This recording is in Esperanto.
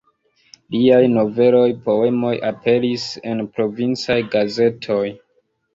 Liaj noveloj, poemoj aperis en provincaj gazetoj.